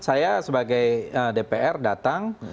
saya sebagai dpr datang